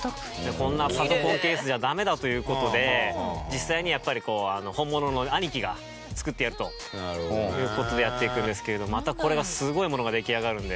こんなパソコンケースじゃダメだという事で実際にやっぱりこうあの本物のを兄貴が作ってやるという事でやっていくんですけれどもまたこれがすごいものが出来上がるんで。